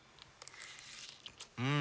うん！